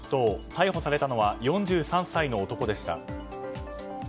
逮捕されたのは４３歳の男でした。